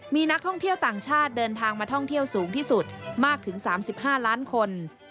มีนักท่องเที่ยวต่างชาติเดินทางมาท่องเที่ยวสูงที่สุดมากถึง๓๕ล้านคน